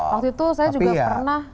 waktu itu saya juga pernah